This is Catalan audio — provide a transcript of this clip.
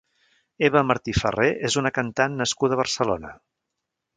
Eva Martí Ferré és una cantant nascuda a Barcelona.